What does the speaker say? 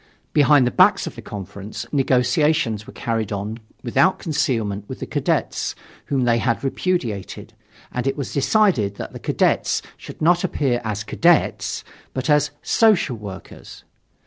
Behind the backs of the conference, negotiations were carried on without concealment with the Cadets, whom they had repudiated, and it was decided that the Cadets should not appear as Cadets, but as "Social workers."